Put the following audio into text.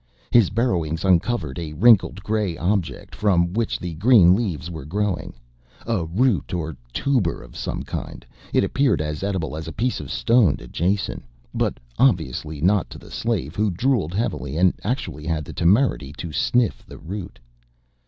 His burrowings uncovered a wrinkled gray object from which the green leaves were growing, a root or tuber of some kind. It appeared as edible as a piece of stone to Jason, but obviously not to the slave who drooled heavily and actually had the temerity to sniff the root.